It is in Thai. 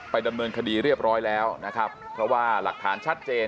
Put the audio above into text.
ดำเนินคดีเรียบร้อยแล้วนะครับเพราะว่าหลักฐานชัดเจน